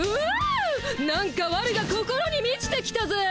何かわるが心にみちてきたぜ！